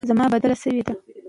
زمانه بدله شوې ده.